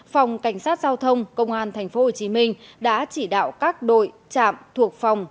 phòng cảnh sát giao thông công an tp hcm đã chỉ đạo các đội trạm thuộc phòng